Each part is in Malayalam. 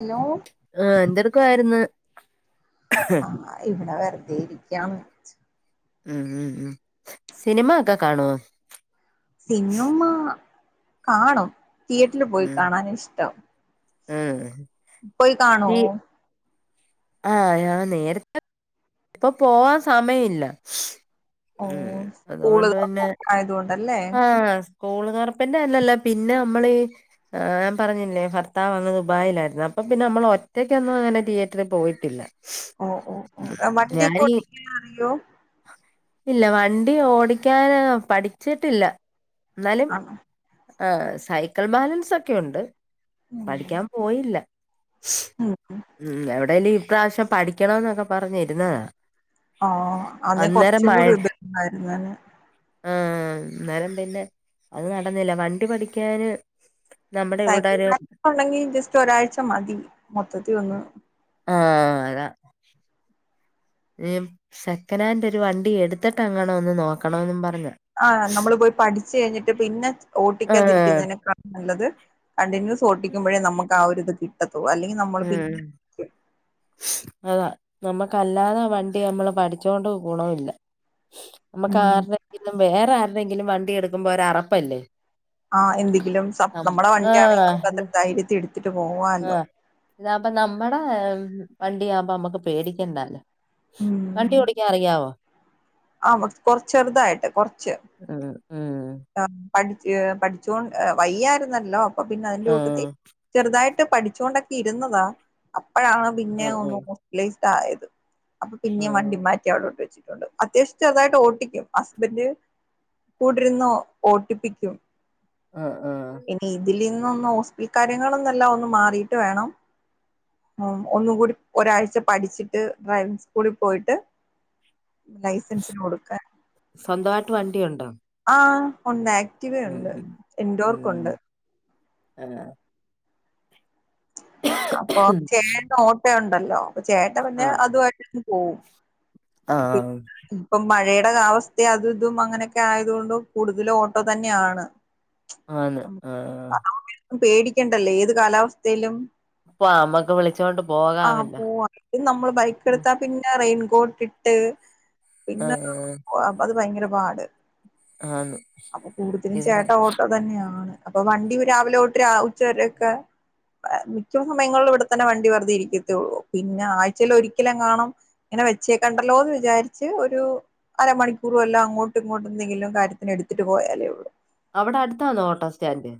ഹലോ ആ എന്തെടക്കുവായിര്ന്ന് ആ ഇവിടെ വെ ർദേരിക്കാന്ന് ച്ച് ഉം ഉം ഉം സിനിമ അക്കെ കാണോ സിനോമ കാണും തിയറ്റർല് പോയി ഉം കാണാന ഇഷ്ടം ഉം പോയി കാണോ ആ ഞാൻ നേര ഇപ്പൊ പോവാൻ സമയ ഇല്ല ഓ ഉം സ്കൂള് അതുകൊണ്ട് തന്നെ ആയതുകൊണ്ടല്ലേ ആ സ്കൂള് തൊറപ്പിന്റെ അല്ലല്ല പിന്നെ നമ്മളീ ഞാൻ പറഞ്ഞില്ലേ ഭർത്താവ് അങ്ങ് ദുബായിലായിരുന്നു അപ്പ പിന്നെ നമ്മള് ഒറ്റക്കൊന്നും അങ്ങനെ തിയേറ്ററി പോയിട്ടില്ല ഓ ഓ ഓ ഞാനീ വണ്ടിക്കാേട്ടിക്കാനറിയോ ഇല്ല വണ്ടി ഓടിക്കാന പഠി ച്ചിട്ടില്ല എന്നാലും ആണോ ആ സൈക്കിൾ ബാലൻസ് ഒക്കെ ഉണ്ട്. ഉം പഠിക്കാൻ പോയില്ല ഉം ഉം എവിടേം [unintelligible] ഈ പ്രാവശ്യം പഠിക്കണമെന്നൊക്കെ പറഞ്ഞിരുന്നതാ ആ അന്ന് അന്നേരം കൊറച്ചും കൂടി ഇതുണ്ടായിരുന്നല്ലേ ആഹ് [unintelligible] പിന്നെ അത് നടന്നില്ല വണ്ടി പഠിക്കാന് നമ്മുടെ ഇവിടെ സൈക്കിൾ ഒരു ബാലൻസ് ഉണ്ടെങ്കിൽ ജസ്റ്റ് ഒരാഴ്ച മതി മൊ മൊത്തത്തിൽ ഒന്നു ആ അതാ ഏഹ് സെക്കനാൻഡ് ഒരു വണ്ടി എടുത്തിട്ട് അങ്ങാണം ഒന്നു നോക്കണോന്ന് പറ ആ നമ്മള് പോയി പഠി ച്ച് കഴിഞ്ഞിട്ട് പിന്നെ. ആ ഓട്ടിക്കാതിരിക്കുന്നതിനെക്കാൾ നല്ലത് കണ്ടിന്യൂസ് ഓട്ടിക്കുമ്പഴേ നമുക്ക് ആ ഒരുത് കിട്ട ത്തൂ അല്ലെങ്കി നമ്മൾ ഉം പിന്നെ അതാ നമ്മുക്കല്ലാതെ വണ്ടി നമ്മള് പഠിച്ചുകൊണ്ട് ഗുണമില്ല ഉം നമ്മുക്കാരുതെങ്കിലും വേറെ ആ [unintelligible] ന്തെങ്കിലും വണ്ടി എടുക്കുമ്പോ ഒരറപ്പല്ലേ ആ എന്തെങ്കിലും സം നം നമ്മടെ ആ വണ്ടിയാണെങ്കില് നമുക്ക് അത്ര ഇത് ധൈര്യത്തിൽ എടു ത്തിട്ട് പോവാല്ലോ ഇതാവുമ്പോ നമ്മടെ വണ്ടിയാകുമ്പോ നമ്മക്ക് പേടിക്കണ്ടാല്ലോ വണ്ടി ഓടിക്കാൻ അറിയാവോ? ആ കൊറച്ച് ചെറുതായിട്ട് കൊറച്ച് ഉം ഉം ആ പഠിച്ച് ഏ പഠിച്ചോണ്ട് ഏ വയ്യായിരുന്നല്ലോ ഇപ്പം പിന്നെ അതിന്റെ ആ കൂട്ടത്തി ചെറുതായിട്ട് പഠിച്ചോണ്ടൊക്കെ ഇരുന്നതാ അ ആ പിന്നെ ആ ഒന്ന് ആ [unintelligible] ഇതായത് അപ്പൊ പിന്നെയും ആഹ് വണ്ടി മാറ്റി അവിടോട്ട് വെച്ചു അത്യാവശ്യം ചെറുതായിട്ട് ഓട്ടിക്കും ഹസ്ബൻഡ് കൂടിര്ന്നൊ ഓട്ടിപ്പിക്കും ആഹ് ആഹ് ഇപ്പം ഒന്ന് ഹോസ്പിൽ കാര്യങ്ങളൊന്നെല്ലാം ഒന്ന് മാറീട്ട് വേണം ഒന്നും കൂടി ഒരാഴ്ച പഠിച്ചിട്ട് ഡ്രൈവിംഗ് സ്കൂളിൽ പോയിട്ട് ലൈസൻസിന് കൊടുക്കാൻ സ്വന്തമായിട്ട് വണ്ടിയുണ്ടോ? ആ ഉണ്ട് ആ ആക്ടിവ ഉം ഉണ്ട് ഉം എൻഡോർക്ക് ഉം ഉണ്ട് ആഹ് അപ്പൊ ചേട്ടോ ഇനി ഉണ്ടല്ലോ ചേട്ട പിന്നെ ആഹ് അതുമായിട്ട് ഓഹ് ആഹ് ഇപ്പം മഴയാ നമ്മുടെ അവസ്ഥ അതും ഇതും അങ്ങനെയൊക്കെ ആയതുകൊണ്ട് കൂടുതലും ഓട്ടോ തന്നെയാണ് ആണ് ആഹ്ആഹ് പേടിക്കേണ്ടല്ലേ ഏത് കാലാവസ് സ്ഥയിലും അപ്പൊ അമ്മക്ക് വിളിച്ചോണ്ട് ആ പോകാമല്ലോ പൂവാ പിന്നെ നമ്മള് ബൈക്ക് എടുത്താ പിന്നെ റെയിൻ കോട്ടിട്ട് പിന്നെ ആഹ് അത് ഭയങ്കര പാട് ആന്ന് അപ്പൊ കൂടുതലും ഇത് ചേട്ടാ ഓട്ടോ തന്നെയാണ് അപ്പൊ വണ്ടി രാവിലെ തൊട്ട് ഉച്ചവരെയൊക്കെ മിക്ക സമയങ്ങളിലും ഇവിടെത്തന്നെ വണ്ടി വെറുതെ ഇരിക്കത്തേയുള്ളൂ പിന്നെ ആഴ്ചേൽ ഒരിക്കലെങ്ങാണം ഇങ്ങനെ വെച്ചേക്കണ്ടല്ലോ എന്ന് വിചാരിച്ച് ഒരു അരമണിക്കൂറ് വെല്ലോം അങ്ങോട്ടും ഇങ്ങോട്ടും എന്തെങ്കിലും കാര്യത്തിന് എടുത്തിട്ട് പോയാലേ ഉള്ളൂ അവിടെ അടുത്താണോ ഓട്ടോ സ്റ്റാൻഡ്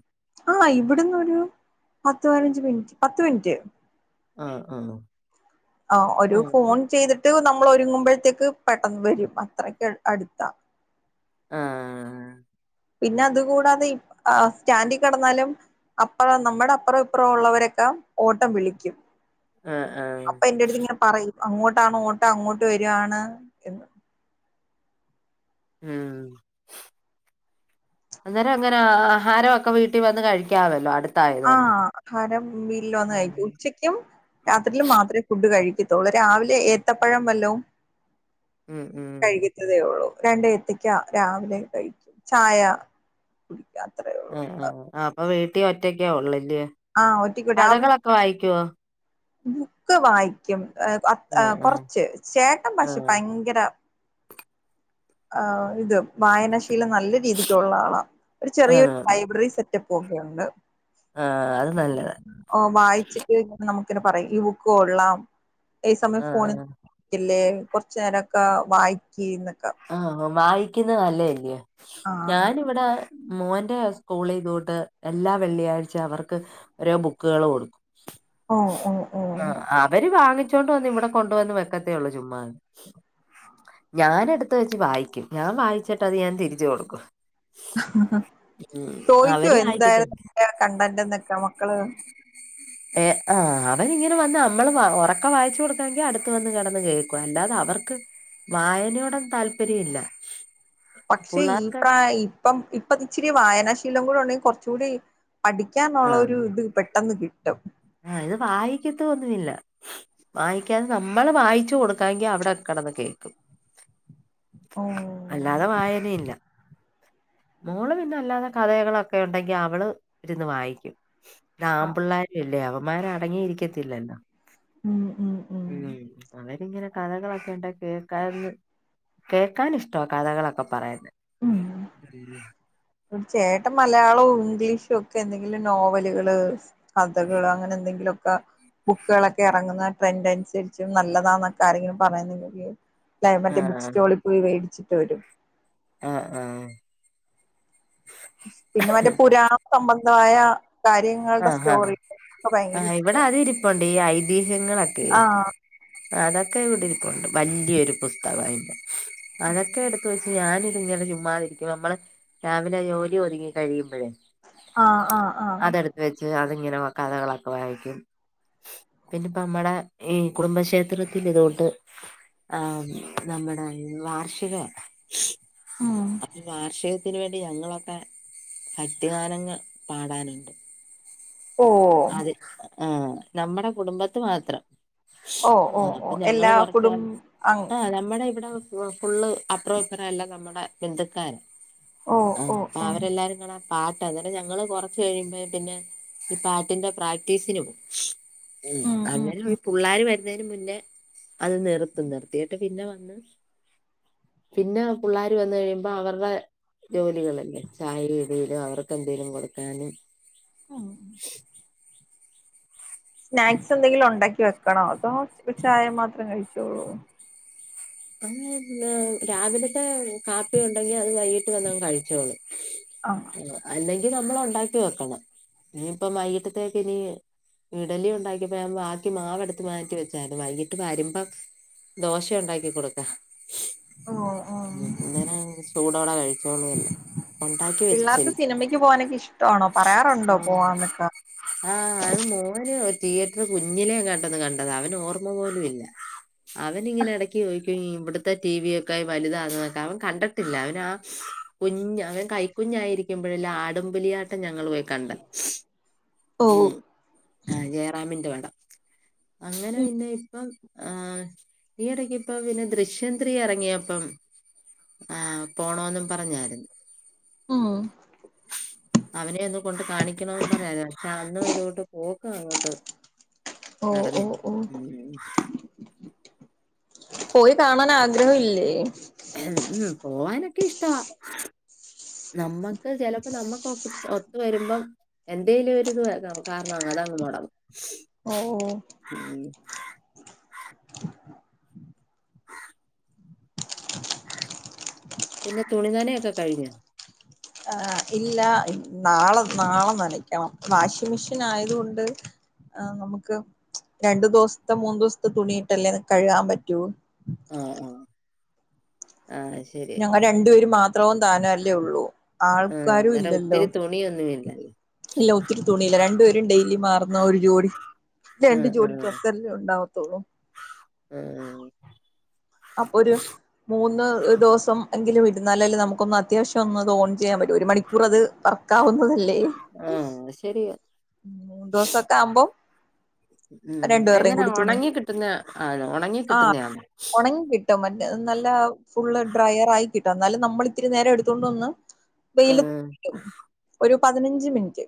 ആഹ് ഇവിടുന്ന് ഒരു പത്ത് പത്ത് പതിനഞ്ച് മിനിറ്റ് പത്ത് മിനിറ്റ് ആഹ് ആഹ് ആ ഒരു ആഹ് ഫോൺ ചെയ്തിട്ട് നമ്മ നമ്മൾ ഒരുങ്ങുമ്പോഴത്തേക്ക് പെട്ടെന്ന് വരും അത്രക്ക് അടുത്താ ആഹ് പിന്നെ അതുകൂടാതെ ഈ സ്റ്റാൻഡി കിടന്നാലും അപ്പുറം നമ്മുടെ അപ്പുറം ഇപ്പുറം ഉള്ളവരൊക്കെ ഓട്ടം വിളിക്കും ആഹ് അപ്പൊ എന്റടുത്ത് ഇങ്ങനെ പറയും അങ്ങോട്ടാണ് ഓട്ടം അങ്ങോട്ട് വരുകാണ് എന്ന് ഉം അന്നേരം എങ്ങനാ ആഹാരമൊക്കെ വീട്ടിൽ വന്ന് കഴിക്കാമല്ലോ അടു ആഹ് ആഹാരം വീട്ടിൽ വന്ന് കഴിക്കും ഉച്ചക്കും രാത്രിലും മാത്ര ഫുഡ് കഴിക്ക ത്തൊള്ളു രാവിലെ ഏത്തപ്പഴം വെല്ലോം ഉം ഉം ഉം കഴിക്കുന്നതേ ഉള്ളൂ രണ്ട് ഏത്തക്ക രാവിലെ കഴിക്കും ചായ കുടിക്കാത്ത ആ ആ ആ അപ്പൊ വീട്ടിൽ ഒറ്റക്കെ ഒള്ള് ല്ലേ ആഹ് ഒറ്റക്ക് രാവിലെ കഥകളൊക്കെ വായിക്കുവോ ബുക്ക് വായിക്കും ആഹ് ആഹ് കുറച്ച് ചേട്ടൻ പക്ഷേ ആഹ് ഭയങ്കര ആഹ് ഇതും വായനാശീലം നല്ല രീതിക്കുള്ള ആളാ ഒരു അത് ചെറിയൊരു നന്ന് ലൈബ്രറി സെ പോകയുണ്ട് ആഹ് അത് നല്ലതാ ഓ വായിച്ചിട്ട് [unintelligible] നമു ഇങ്ങനെ പറയും ഈ ബുക്ക് കൊള്ളാം ഈ സമയം ഫോണിൽ ആഹ് കളിക്കല്ലേ കൊറച്ച് നേരൊക്കെ വായിക്കീന്ന് ആഹ് വായിക്കുന്ന നല്ല അല്ലേ ആഹ് ഞാനിവിടെ മോന്റെ സ്കൂളിഇതോട്ട് എല്ലാ വെള്ളിയാഴ്ച അവർക്ക് ഓരോ ബുക്കുകൾ കൊടുക്കും ഓഹ് ഓഹ് ഓഹ് ആഹ് അവര് വാങ്ങി ച്ചോണ്ട് വന്ന് ഇവിടെ കൊണ്ടുവന്ന് വെക്കത്തേള്ളൂ ചുമ്മാ ഞാനെട് ത്ത് വെച്ച് വായിക്കും ഞാൻ വായിച്ചിട്ടത് ഞാൻ തിരിച്ചു കൊടുക്കും ഉം ചോയ്ക്കോ അവര് വായിക്കത്തില്ല എന്തായിരുന്നു കണ്ടന്റ് എന്നൊക്കാ മക്കള് ഏ ആ അവരിങ്ങനെ വന്ന് നമ്മള് ഒറക്കെ വായിച്ചു കൊടുക്കാമെങ്കിൽ അടുത്ത് വന്ന് കിടന്ന് കേക്കും അല്ലാതെ അവർക്ക് വായനയോട് ഒന്നു താൽപ്പര്യം ഇല്ല പക്ഷെ ഈ പുള്ളാർക്ക് പ്രായ ഇപ്പം ഇപ്പൊ ഇച്ചിരി വായനാശീ ലം കൂടെ ഉണ്ടെങ്കിൽ കൊറച്ച് കൂടി പഠിക്കാനുള്ള ഒരു ഇത് പെട്ടെന്ന് കി ട്ടും ആ ഇത് വായിക്കത്ത് ഒന്നുമില്ല വായിക്കാതെ നമ്മള് വായിച്ചു കൊടുക്കാങ്കി അവിടെ കിടന്ന് കേക്കും ഓഹ് അല്ലാതെ വായനയില്ല മോള് പിന്നെ അല്ലാതെ കഥകളൊക്കെ ഉണ്ടെങ്കി അവള് ഇരുന്ന് വായിക്കും ല ആഹ് ആൺപിള്ളേർ അവൻമ്മാര് അടങ്ങിയിരിക്കത്തില്ലല്ലോ ഉം ഉം ഉം അതെ ഇങ്ങനെ കഥകളൊക്കെ ണ്ട് കേക്കാന്ന് കേൾക്കാന് ഇഷ്ടാ കഥകളൊക്കെ പറയുന്നത് ഇവിടെ ചേട്ടൻ മലയാളോം ഇംഗ്ലീഷ് ഒക്കെ എന്തെ [unintelligible] നോവലുകള് കഥകള് അങ്ങനെ എന്തെങ്കിലൊക്കെ ബുക്കുകളൊക്കെ എറങ്ങുന്ന ട്രെൻന്റ് അനുസരിച്ചും നല്ലതാന്നൊക്കെ ആരെങ്കിലും പറയുന്നെങ്കി ല്ലേ മറ്റേ ബുക്ക് ആഹ് സ്റ്റോളിൽ വേ ചിറ്റ വരും ആ ആ പിന്നെ മറ്റേ പുരാണ ഒക്കെ സം തായ ആ കാര്യങ്ങളുടെ ആഹ് സ്റ്റോറി ആ ഇവിടെ ഇഷ്ടമാണ് അത് ഇരിപ്പണ്ട് ഈ ഐതിഹ്യങ്ങളൊക്കെയെ ആഹ് അതൊക്കെ ഇവിടെ ഇരിപ്പുണ്ട് വല്ല്യരു പുസ്തകം അയി അതൊക്കെ എടുത്ത് വെച്ച് ഞാന് ഇങ്ങനെ ചുമ്മാതിരിക്കുവ നമ്മള് രാവിലെ ജോലി ഒതുങ്ങി കഴിയുമ്പോഴേ ആ ആ ആ അതെടുത്ത് വെച്ച് അതിങ്ങനെ കഥകളൊക്കെ വായിക്കും പിന്നിപ്പോ നമ്മടെ ഈ കുടുംബക്ഷേത്രത്തിൽ ഇതൊണ്ട് ആ നമ്മുടെ വാർഷികാ ഉം വാർഷികത്തിന് വേണ്ടി ഞങ്ങളൊക്കെ ഭക്തി ഗാനങ്ങ പാടാനുണ്ട് ഓ അത് ആ നമ്മുടെ കുടുംബത്ത് മാത്രം ഓ ഓ ആ ഓ അപ്പൊ ഞങ്ങള് എല്ലാ കൊറച്ച് കുടും ആ നമ്മുടെ ഇവിടെ [unintelligible] ഫുള്ള് അപ്രൊ ഇപ്രോ എല്ലാം നമ്മുടെ ബന്ധുക്കാരാ ഓ ആ ഓ അ ഓ ഉം അവരെല്ലാരു [unintelligible] പാട്ട് അന്നേരം ഞങ്ങള് കൊറച്ച് കഴിയുമ്പോ പിന്നെ ഈ പാട്ടിന്റെ പ്രാക്ടീസിനു പോവും ഉം അങ്ങനെ പുള്ളാര് വരുന്നന് മുന്നേ അത് നിർത്തും നിർത്തിട്ട് പിന്നെ വന്ന് പിന്നെ പുള്ളാര് വന്ന് കഴിയുമ്പോ അവരുടെ ജോലികളല്ലേ ചായ ഇടിലും അവർക്ക് എന്തെലും കൊടുക്കാനും ഉം സ്നാക്സ് എന്തെങ്കിലും ഉണ്ടാക്കി വെക്കണോ അതോ ചായ മാത്രം കഴിച്ചോളുവോ അങ്ങനെ രാവിലത്തെ കാപ്പി ഉണ്ടെങ്കി അത് വൈകിട്ട് വന്നങ്ങ് കഴിച്ചോളും ആ ഉം അല്ലെ ഇ നമ്മൾ ഉണ്ടാക്കി വെക്കണം ഇനിയിപ്പൊ വൈകീട്ടത്തേക്ക് ഇനി ഇഡലി ഉണ്ടാക്കിപ്പോ ബാക്കി മാവെടുത്ത് മാറ്റി വെച്ചായിരുന്നു വൈകിട്ട് വരുമ്പോ ദോശ ഉണ്ടാക്കി കൊടു ഓ ഓ [unintelligible] അന്നേരം ചൂടോടെ കഴിച്ചോളുവല്ലോ ഒണ്ടാക്കി പിള്ളേർക്ക് വെച്ചല്ലേ സിനിമയ്ക്ക് പോകാനൊക്കെ ഇഷ്ടമാണോ പറയാറുണ്ടോ ഉം പോവാന്നൊക്കെ ആ അത് മു [unintelligible] തിയേറ്റർ കുഞ്ഞിലെയെങ്ങാണ്ട്ത് കണ്ടതാ അവന് ഓർമ്മ പോലും ഇല്ല അവനിങ്ങനെ എടക്ക് ഇവിടത്തെ ടി വി ഒക്കെ വലുതാന്നതൊക്കെ ഒക്കെ അവൻ കണ്ടട്ടില്ല അവനാ ആ കുഞ്ഞ് അവൻ കൈക്കുഞ്ഞായിരിക്കുമ്പോഴല്ല ആടുംപുലിയാട്ടം ഞങ്ങൾ പോയി കണ്ടെ ഓ ഉം ആ ജയറാമിന്റെ വ അങ്ങനെ ഉം പിന്നെ ഇപ്പം ആ ഈ എടക്ക് ഇപ്പൊ പിന്നെ ദൃശ്യം ത്രീ ഇറങ്ങിയപ്പം ആ പോണോന്നും പറഞ്ഞായിരുന്നു ഉം അവനെ ഒന്ന് കൊണ്ട് കാണിക്കണന്ന് പറഞ്ഞാ ആ അന്നും ഇതോട്ട് പോക്കു അങ്ങോട്ട് ഓ ഓ നടന്നില്ല ഓ പോയി കാണാൻ ആഗ്രഹം ഇല്ലേ? ഉം, [unintelligible] ഇഷ്ടവാ നമ്മക്ക് ചെലപ്പോ നമ്മുക്ക് ഒ ഒത്ത് വരുമ്പം എന്തേലും ഒര് ഇത് കാരണം അങ്ങനങ്ങ് മൊടങ്ങും ഓ ഉം പിന്നെ തുണി നനെയൊക്കെ കഴിഞ്ഞോ? ആ ഇല്ല നാളെ നാളെ നനയ്ക്കണം വാഷിങ് മെഷീൻ ആയത് കൊണ്ട് നമുക്ക് രണ്ടു ദിവസത്തെ മൂന്ന് ദിവസത്തെ തുണിയിട്ടല്ലേ കഴുകാൻ പറ്റൂ. ആഹ് ആഹ് ശരി ഞങ്ങൾ രണ്ടുപേര് മാ ത്രവും താനെ അല്ലേ ഉള്ളൂ ആഹ് ആൾക്കാരും അന്നേരം ഇല്ലല്ലോ ഒത്തിരി തുണിയൊന്നുമില്ല. ഇല്ല ഒത്തിരി തുണിയില്ല രണ്ടുപേരും ഡെയിലി മാറുന്ന ഒരു ജോഡി രണ്ടു ആഹ് ജോഡി ആഹ് ഡ്രസ്സല്ലേ ഉണ്ടവത്തോള്ളു ആഹ് അപ്പൊ ഒരു മൂന്ന് ദ്, ദിവസം എങ്കിലും ഇടുന്ന അല്ലേ നമുക്കൊന്ന് അത്യാവശ്യം ഒന്ന് ഓൺ ചെയ്യാൻ പറ്റും ഒരു മണിക്കൂർ അത് കറ [unintelligible] ആഹ് അത് ശെരിയാ മൂന്ന് ദിവസൊക്കെ ആവുമ്പം മ് രണ്ടുപേരുടെയും എങ്ങന കൂടി തുണി ഉണങ്ങി കിട്ടുന്ന ആണോ ഉണങ്ങി ആഹ് കിട്ടുന്നയാണോ [unintelligible] നല്ല ഫുള്ള് ഡ്രയർ ആയി കിട്ടും എന്നാലും നമ്മൾ ഇത്തിരി നേരം എടുത്തോണ്ട് വന്ന് വെയില ആഹ് [unintelligible] ഒരു പതിനഞ്ച് മിനിറ്റ്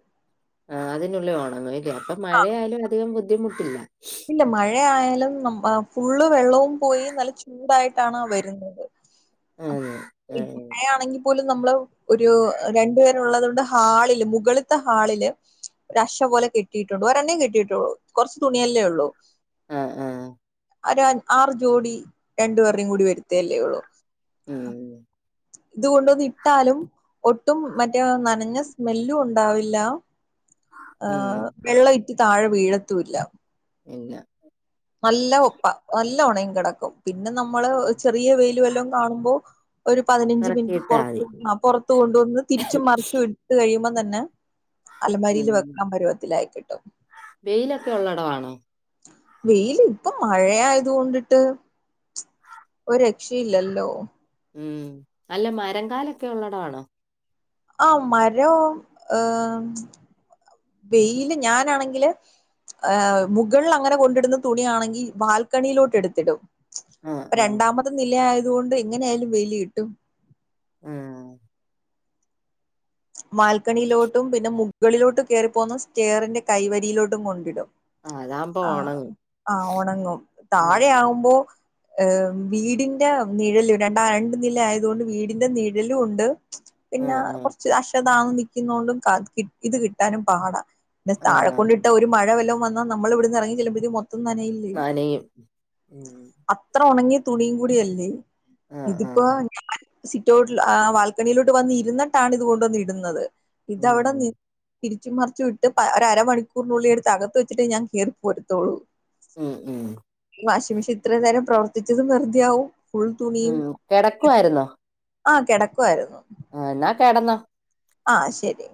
ആ അതിനുള്ളിൽ ഒണങ്ങു [unintelligible] ല്ലേ അപ്പൊ ആ മഴയായാലും അധികം ബു - ദ്ധിമുട്ടില്ല ഇല്ല [unintelligible] ഫുള്ള് വെള്ളവും പോയി നല്ല ചൂടായിട്ടാണ് വരുന്നത് ആന്ന് ആഹ് [unintelligible] മഴ ആണെങ്കിൽ പോലും നമ്മള് ഒരു രണ്ടുപേരുള്ളത് കൊണ്ട് ഹാളില് മുകളിത്തെ ഹാളില് ഒരഷ പോലെ കെട്ടിയിട്ടുണ്ട് ഒരണ്ണവേ കെട്ടിയിട്ടുള്ളൂ കൊറച്ച് തുണിയല്ലേ ഒള്ളൂ ള്ളൂ ആഹ് ആഹ് ഒര് അഞ്ച് ആറ് ജോടി രണ്ടുപേരുടെയും കൂടി വരുത്തല്ലേ ഒള്ളു ഉം ഇതുകൊണ്ടുവന്ന് ഇട്ടാലും ഒട്ടും മറ്റേ നനഞ്ഞ സ്മെല്ലും ഉണ്ടാവില്ല ആ ഉം വെള്ളം ഇറ്റ് താഴെ വീഴത്തുവില്ല പിന്ന നല്ല ഒപ്പ നല്ല ഒണങ്ങി കെടക്കും പിന് ന്നെ നമ്മള് ചെറിയ വെയില് വല്ലോം കാണുമ്പോ ഒരു പതിനഞ്ച് മിനിറ്റ് പെറക്കിയിട്ടാ മതി പുറത്ത്, ആ പൊറത്തു കൊണ്ടുവന്ന് തിരിച്ചും മറിച്ചും ഇട്ടു കഴിയുമ്പ തന്നെ അലമാരിയിൽ ഉം വെക്കാ പരിവത്തിലായിക്കിട്ടും വെയിലൊക്കെ ഉള്ളടവാണോ വെയില് ഇപ്പൊ മഴയയാത് കൊണ്ടിട്ട് ഒരു രക്ഷയില്ലല്ലോ ഉം അല്ല മരങ്കാലൊക്കെ ഉള്ളടാണോ ആ മരം ഹ് വെയില് ഞാനാണെങ്കില് മുകളിൽ അങ്ങനെ കൊണ്ടിടുന്ന തുണിയാണെങ്കിൽ വാൽക്കണിയിലോട്ട് എടുത്തിടും ആഹ് ആഹ് രണ്ടാമത് നിലയായത് തുകൊണ്ട് ഇങ്ങനെ ആയാലും വെയില് കിട്ടും ഉം വാൽക്കണിയിലോട്ടും പിന്നെ മു മുകളിലോട്ട് കേറിപ്പോകുന്ന സ്റ്റെയറിന്റെ കൈവരിയിലോട്ടും കൊണ്ടിടും ആഹ് അതാവുമ്പോ ആഹ് ഒണങ്ങും ആഹ് ഉണങ്ങും താഴെ ഉം ആകുമ്പോ ഏ വീടിന്റെ നിഴല് രണ്ടാ രണ്ട നില ആയതുകൊണ്ട് വീടിന്റെ നിഴലൂണ്ട് പിന്നെ ആഹ് ആഹ് കൊറച് ക്ഷതാണ നൽക്കുന്നോണ്ടും ഇത് കിട്ടാനും പാട ന്തസ് താഴ ആഹ് കൊണ്ടിട്ടാ ഒരു മഴ വല്ലം വന്ന നമ്മൾ ഇവിടുന്ന് ഇറങ്ങി ചെല്ലുമ്പോഴേക്കും മൊത്തം ത്തംതനയില്ലേ നനയും ഉം അത്ര ഒണങ്ങി തുണിങ്കുടിയല്ലേ ആഹ് ഇതിപ്പോ ആഹ് ഞാൻ സിറ്റോട്ടിൽ ആ വാൽക്കണിയിലോട്ട് വന്നിരുന്നിട്ടാണ് കൊണ്ടോന്നിടുന്നത് ഇതവിടെ ഉം നി തിരിച്ചുമറിച്ചു വ്ട്ട് ഒരു അരമണിക്കൂറിനുള്ളിൽ എടുത്ത് അകത്ത് വച്ചിട്ടേ ഞാൻ കേറി പോരത്തോള്ളൂ ഉം ഉം വാഷിംഗ് മെഷീൻ ഇത്ര നേരം പ്രവർത്തിച്ചത് വെറുതയാവും ഉം തെടക്കുവായിരുന്നോ ആ കിടക്കുവായിരുന്നു ആ എന്നാ കേടന്നൊ ആ ഹ്ശരി